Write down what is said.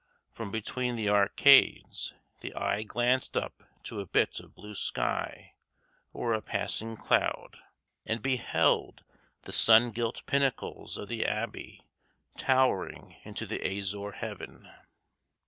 From between the arcades the eye glanced up to a bit of blue sky or a passing cloud, and beheld the sun gilt pinnacles of the abbey towering into the azure heaven.